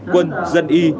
quân dân y